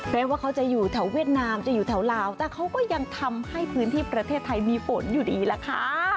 ว่าเขาจะอยู่แถวเวียดนามจะอยู่แถวลาวแต่เขาก็ยังทำให้พื้นที่ประเทศไทยมีฝนอยู่ดีล่ะค่ะ